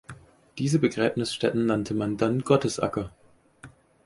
Diese Begräbnisstätten nannte man dann Gottesacker.